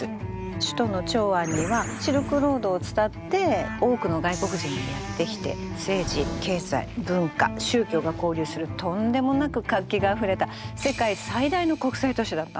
首都の長安にはシルクロードを伝って多くの外国人がやって来て政治経済文化宗教が交流するとんでもなく活気があふれた世界最大の国際都市だったの。